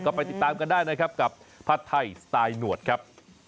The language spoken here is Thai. ก็ไปติดตามกันได้นะครับกับผัดไทยสไตล์หนวดครับ